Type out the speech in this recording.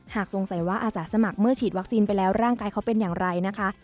สงสัยว่าอาสาสมัครเมื่อฉีดวัคซีนไปแล้วร่างกายเขาเป็นอย่างไรนะคะ